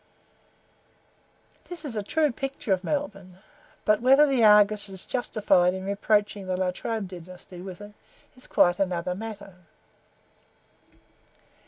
This is a true picture of Melbourne; but whether the "Argus" is justified in reproaching the "La Trobe dynasty" with it, is quite another matter.